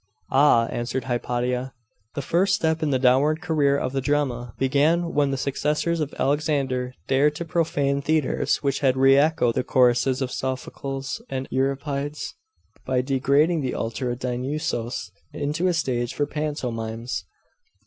'Ah!' answered Hypatia; 'the first step in the downward career of the drama began when the successors of Alexander dared to profane theatres which had re echoed the choruses of Sophocles and Euripides by degrading the altar of Dionusos into a stage for pantomimes!